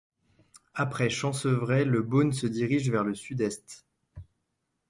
Après Champcevrais, le Beaune se dirige vers le sud-est.